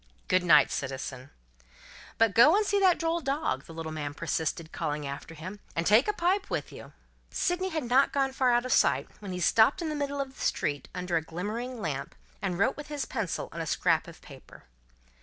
"Good night, citizen." "But go and see that droll dog," the little man persisted, calling after him. "And take a pipe with you!" Sydney had not gone far out of sight, when he stopped in the middle of the street under a glimmering lamp, and wrote with his pencil on a scrap of paper.